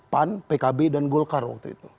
pan pkb dan golkar waktu itu